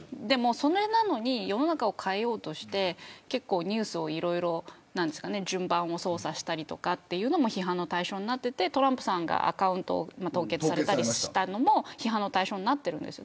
それなのに世の中を変えようとしてニュースをいろいろ順番を操作したりというのも批判の対象になっていてトランプさんがアカウントを凍結されたのも批判の対象になっています。